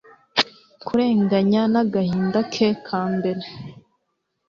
Kurenganya nagahinda ke ka mbere